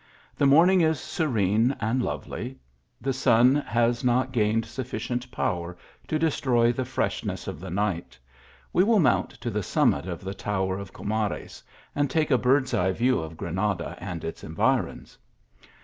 The morning is serene and lovely; the sun has not gained sufficient power to destroy the freshness of the night ; we will mount to the summit of the tower of Comares, and take a bird s eye view of Granada and its environs.